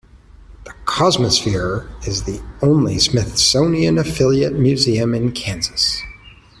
The Cosmosphere is the only Smithsonian affiliate museum in Kansas.